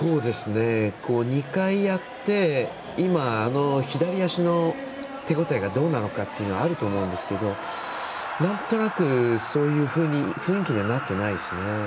２回やって今、左足の手応えがどうなのかっていうのがあると思うんですけどなんとなく、そういう雰囲気にはなってないですね。